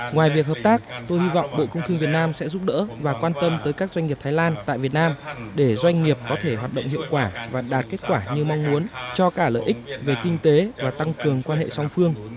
ngoài việc hợp tác tôi hy vọng bộ công thương việt nam sẽ giúp đỡ và quan tâm tới các doanh nghiệp thái lan tại việt nam để doanh nghiệp có thể hoạt động hiệu quả và đạt kết quả như mong muốn cho cả lợi ích về kinh tế và tăng cường quan hệ song phương